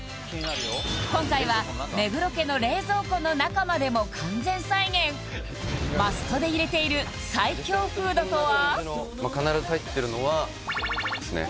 今回は目黒家の冷蔵庫の中までも完全再現マストで入れている最強フードとは？